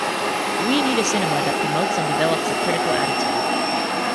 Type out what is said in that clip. We need a cinema that promotes and develops a critical attitude.